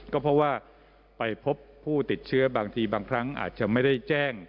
ก็เพราะว่าไปพบผู้ติดเชื้อบางทีบางครั้งอาจจะไม่ได้แจ้ง